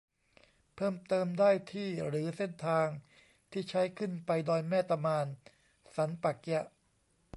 เพิ่มเติมได้ที่ หรือ เส้นทางที่ใช้ขึ้นไปดอยแม่ตะมาน สันป่าเกี๊ยะ